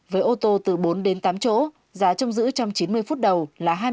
với ô tô từ bốn đến tám chỗ giá trong giữ trong chín mươi phút đầu là hai mươi